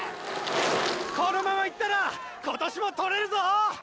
このまま行ったら今年も獲れるぞー！！